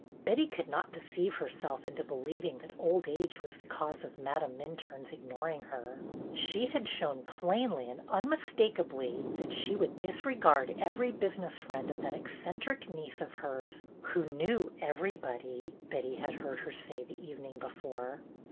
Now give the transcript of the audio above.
Betty could not deceive herself into believ ing that old age was the cause of Madame Minturne's ignoring her. She had shown plainly and unmistakably that she would dis regard every business friend of that eccentric niece of hers, "who knew everybody," Betty had heard her say the evening before.